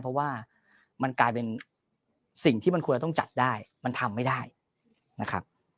เพราะว่ามันกลายเป็นสิ่งที่มันควรจะต้องจัดได้มันทำไม่ได้นะครับ